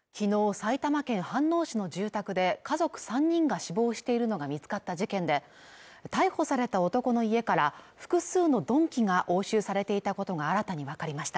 埼玉県飯能市の住宅で家族３人が死亡しているのが見つかった事件で逮捕された男の家から複数の鈍器が押収されていたことが新たに分かりました